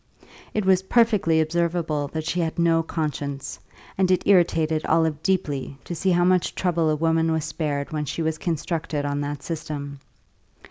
It was perfectly observable that she had no conscience, and it irritated Olive deeply to see how much trouble a woman was spared when she was constructed on that system.